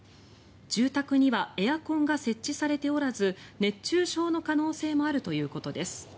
住宅にはエアコンが設置されておらず熱中症の可能性もあるということです。